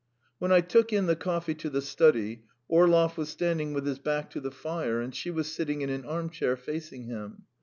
When I took in the coffee to the study, Orlov was standing with his back to the fire and she was sitting in an arm chair facing him.